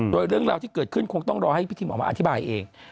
โดยเรื่องราวที่เกิดขึ้นคงต้องรอให้พี่ทิมออกมาอธิบายเอง